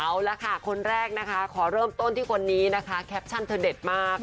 เอาละค่ะคนแรกนะคะขอเริ่มต้นที่คนนี้นะคะแคปชั่นเธอเด็ดมาก